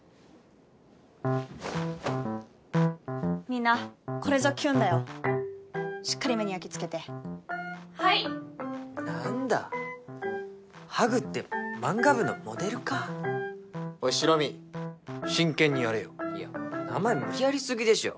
みんなこれぞキュンだよしっかり目に焼きつけてはいなんだハグって漫画部のモデルかおいシロ美真剣にやれよいや名前無理やりすぎでしょ